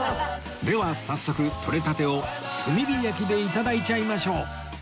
では早速採れたてを炭火焼きで頂いちゃいましょう